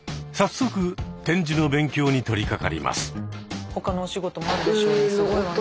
早速点字の勉強に取りかかります。